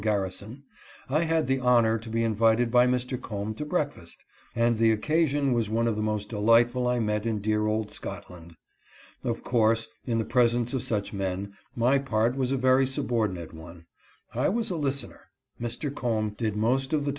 Garrison, I had the honor to be invited by Mr. Combe to breakfast, and the occasion was one of the most delightful I met in dear old Scotland. Of course, in the presence of such men, my part was a very subordi nate one. I was a listener. Mr. Combe did the most of the 300 THOMAS CLARKSON.